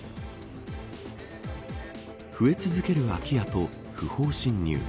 増え続ける空き家と不法侵入